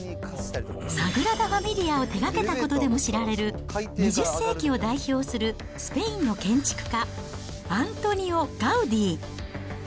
サグラダファミリアを手がけたことでも知られる２０世紀を代表するスペインの建築家、アントニオ・ガウディ。